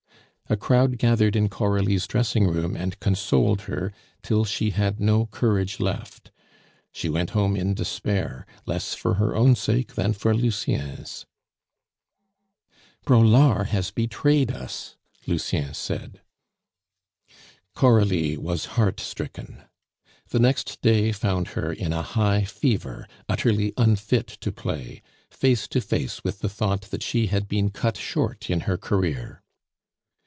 A crowd gathered in Coralie's dressing room and consoled her, till she had no courage left. She went home in despair, less for her own sake than for Lucien's. "Braulard has betrayed us," Lucien said. Coralie was heartstricken. The next day found her in a high fever, utterly unfit to play, face to face with the thought that she had been cut short in her career.